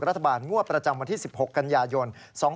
รัฐบาลงวดประจำวันที่๑๖กันยายน